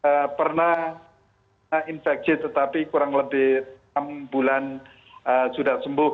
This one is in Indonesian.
kita tidak pernah terinfeksi tapi kurang lebih enam bulan sudah sembuh